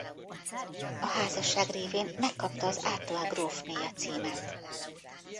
A házasság révén megkapta az Artois grófnéja címet.